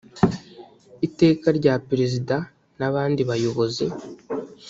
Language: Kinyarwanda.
iteka rya perezida n abandi bayobozi